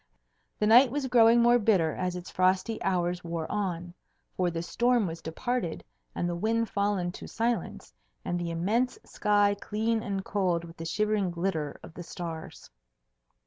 The night was growing more bitter as its frosty hours wore on; for the storm was departed, and the wind fallen to silence, and the immense sky clean and cold with the shivering glitter of the stars.